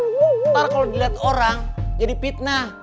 nggak lah ntar kalau dilihat orang jadi fitnah